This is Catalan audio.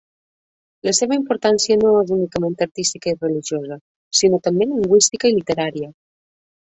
La seva importància no és únicament artística i religiosa, sinó també lingüística i literària.